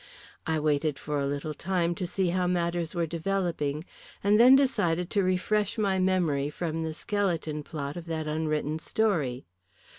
I waited for a little time to see how matters were developing, and then decided to refresh my memory from the skeleton plot of that unwritten story.